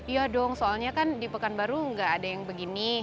iya dong soalnya kan di pekanbaru gak ada yang begini